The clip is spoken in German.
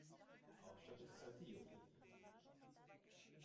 Hauptstadt ist Saltillo.